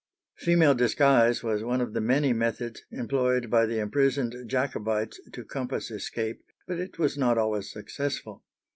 Female disguise was one of the many methods employed by the imprisoned Jacobites to compass escape, but it was not always successful.